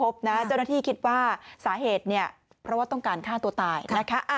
เจ้าหน้าที่คิดว่าสาเหตุเนี่ยเพราะว่าต้องการฆ่าตัวตายนะคะ